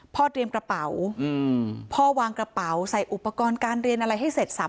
เตรียมกระเป๋าพ่อวางกระเป๋าใส่อุปกรณ์การเรียนอะไรให้เสร็จสับ